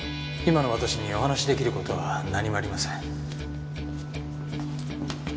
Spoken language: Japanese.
今の私にお話し出来る事は何もありません。